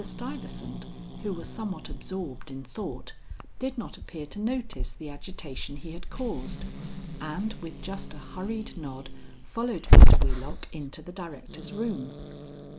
Stuyvesant, who was somewhat absorbed in thought, did not appear to notice the agitation he had caused, and with just a hurried nod followed Mr. Wheelock into the Directors' room.